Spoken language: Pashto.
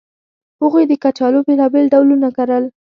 هغوی د کچالو بېلابېل ډولونه کرل